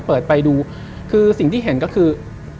เปิดไปดูคือสิ่งที่เห็นก็คือ